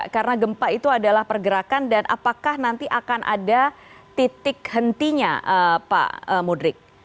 karena gempa itu adalah pergerakan dan apakah nanti akan ada titik hentinya pak mudrik